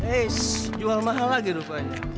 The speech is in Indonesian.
eits jual mahal lagi rupanya